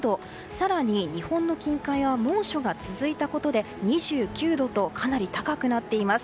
更に、日本の近海は猛暑が続いたことで２９度とかなり高くなっています。